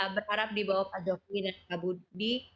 berharap di bawah pak jokowi dan pak budi